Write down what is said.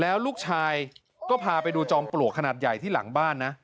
แล้วลูกชายก็พาไปดูจอมปลวกขนาดใหญ่ที่หลังบ้านนะ